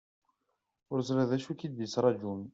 Ur teẓriḍ d acu ik-d-ittrajun.